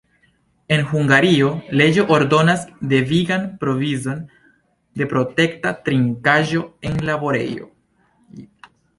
En Hungario, leĝo ordonas devigan provizon de protekta trinkaĵo en laborejoj.